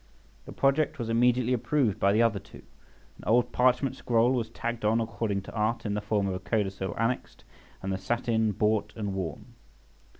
The project was immediately approved by the other two; an old parchment scroll was tagged on according to art, in the form of a codicil annexed, and the satin bought and worn.